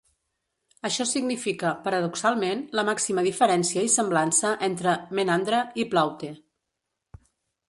Això significa, paradoxalment, la màxima diferència i semblança entre Menandre i Plaute.